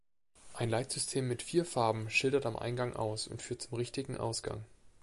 Ein Leitsystem mit vier Farben schildert am Eingang aus und führt zum richtigen Ausgang.